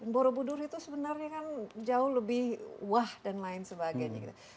borobudur itu sebenarnya kan jauh lebih wah dan lain sebagainya gitu